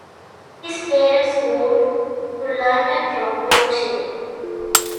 His parents moved to London from Yorkshire.